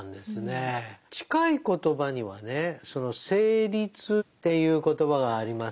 近い言葉にはね「成立」っていう言葉がありますね。